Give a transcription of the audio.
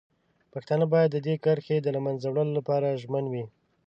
پښتانه باید د دې کرښې د له منځه وړلو لپاره ژمن وي.